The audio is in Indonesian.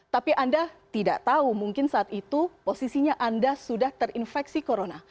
tapi anda tidak tahu mungkin saat itu posisinya anda sudah terinfeksi corona